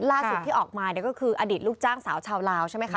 ล่าสุดที่ออกมาเนี่ยก็คืออดีตลูกจ้างสาวชาวลาวใช่ไหมคะ